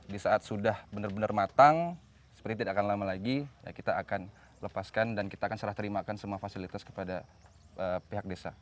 di saat sudah benar benar matang seperti tidak akan lama lagi kita akan lepaskan dan kita akan serah terimakan semua fasilitas kepada pihak desa